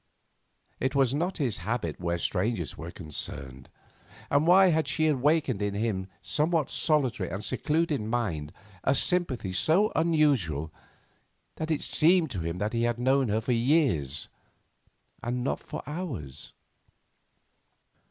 It was not his habit where strangers were concerned. And why had she awakened in his somewhat solitary and secluded mind a sympathy so unusual that it seemed to him that he had known her for years and not for hours?